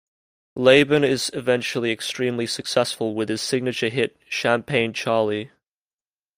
Leybourne is eventually extremely successful with his signature hit: "Champagne Charlie".